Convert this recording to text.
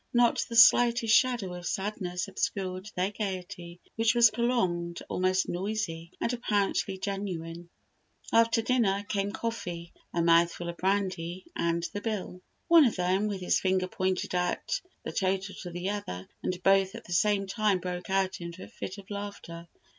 Not the slightest shadow of sadness obscured their gaiety, which was prolonged, almost noisy, and apparently genuine. After dinner came coffee, a mouthful of brandy, and the bill. One of them with his finger pointed out the total to the other, and both at the same time broke out into a fit of laughter.